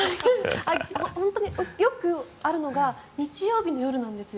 本当によくあるのが日曜日の夜なんですよ。